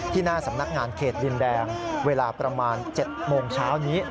หน้าสำนักงานเขตดินแดงเวลาประมาณ๗โมงเช้านี้